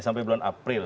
sampai bulan april